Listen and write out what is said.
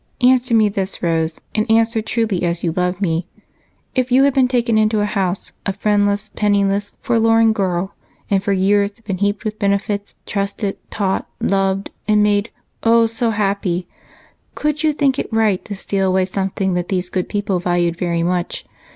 Answer me this, Rose, and answer truly as you love me. If you had been taken into a house, a friendless, penniless, forlorn girl, and for years been heaped with benefits, trusted, taught, loved, and made, oh, so happy! could you think it right to steal away something that these good people valued very much?